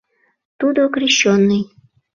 Тудо крещённый...